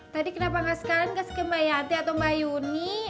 tadi kenapa gak sekalian kasih ke mbak yanti atau mbak yuni